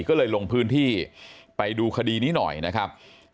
ก็เลยลงพื้นที่ไปดูคดีนี้หน่อยนะครับ